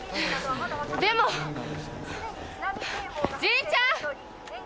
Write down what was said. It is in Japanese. でもじいちゃん！